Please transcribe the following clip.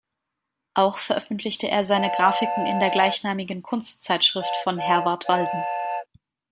Auch veröffentlichte er seine Graphiken in der gleichnamigen Kunstzeitschrift von Herwarth Walden.